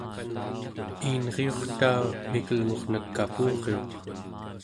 iinriurta mikelngurnek kapuriuq